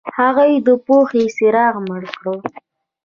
هغوی د پوهې څراغ مړ کړ.